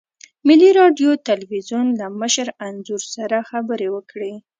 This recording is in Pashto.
ملي راډیو تلویزیون له مشر انځور سره خبرې وکړې.